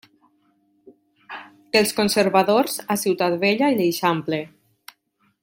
Els conservadors a Ciutat Vella i l'Eixample.